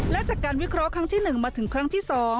และจากการวิเคราะห์ครั้งที่๑มาถึงครั้งที่๒